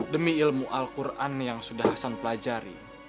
demi ilmu al quran yang sudah hasan pelajari